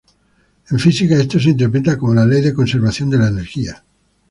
En física esto se interpreta como la ley de conservación de la energía.